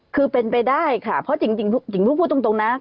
คือเป็นไปได้ค่ะเพราะจริงพูดตรงนะ